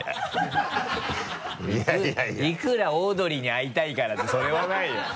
いくらオードリーに会いたいからってそれはないよ。